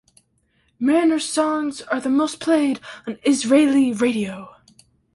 Manor's songs are the most played on Israeli radio.